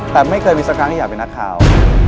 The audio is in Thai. แต่ไม่เคยมีสักครั้งที่อยากเป็นนักข่าว